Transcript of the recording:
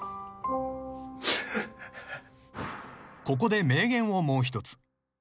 ［ここで名言をもう一つ］